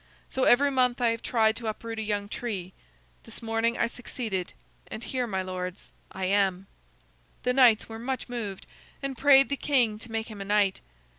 So every month I have tried to uproot a young tree. This morning I succeeded, and here, my lords, I am." The knights were much moved and prayed the king to make him a knight.